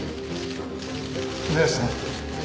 姉さん。